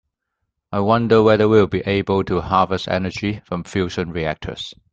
I wonder whether we will be able to harvest energy from fusion reactors.